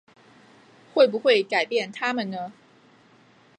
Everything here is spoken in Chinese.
会不会改变他们呢？